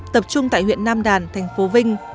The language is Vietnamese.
tập trung tại huyện nam đàn thành phố vinh